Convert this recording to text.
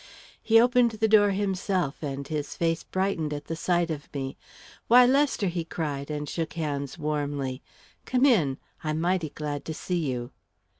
He opened the door himself, and his face brightened at sight of me. "Why, Lester!" he cried, and shook hands warmly. "Come in. I'm mighty glad to see you."